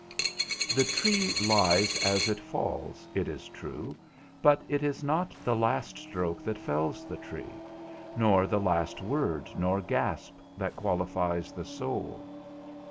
The tree lies as it falls, it is true, but it is not the last stroke that fells the tree, nor the last word nor gasp that qualifies the soul.